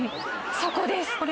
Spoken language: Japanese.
そこです。